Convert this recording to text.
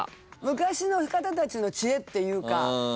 昔の方たちの知恵というか。